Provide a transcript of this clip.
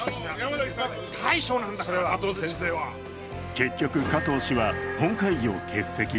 結局、加藤氏は、本会議を欠席。